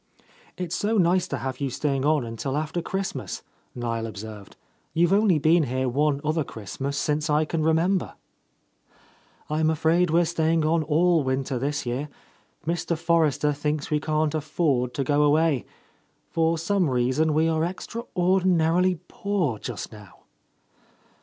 "It's so nice to have you staying on until after Christmas," Niel observed, "You've only been here one other Christmas since I can remember." —38— A Lost Lady "I'm afraid we're staying on all winter this year. Mr. Forrester thinks we can't afford to go away. For some reason, we are extraor dinarily poor just now."